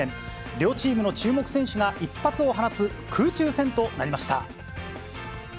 両チームの注目選手が一発を放つ空中戦となりました。